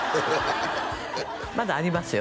まだありますよ